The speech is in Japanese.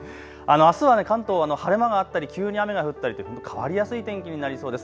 あすは関東、晴れ間があったり急に雨が降ったり変わりやすい天気になりそうです。